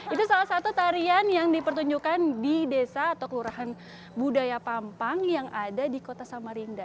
itu salah satu tarian yang dipertunjukkan di desa atau kelurahan budaya pampang yang ada di kota samarinda